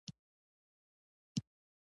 د معلوماتو هره برخه په ریاضي بدلېږي.